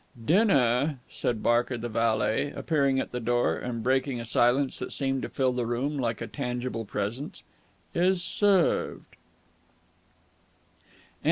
"Dinner," said Barker the valet, appearing at the door and breaking a silence that seemed to fill the room like a tangible presence, "is served!"